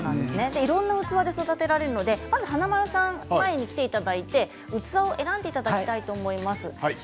いろんな器で育てられるので、まず華丸さん前に来ていただいて器を選んでいただきたいと思います。